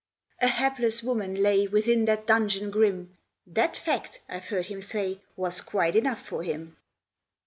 A hapless woman lay Within that prison grim That fact, I've heard him say, Was quite enough for him.